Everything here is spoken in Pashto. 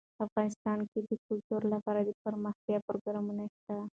افغانستان کې د کلتور لپاره دپرمختیا پروګرامونه شته.